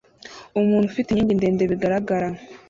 Umuntu ufite inkingi ndende bigaragara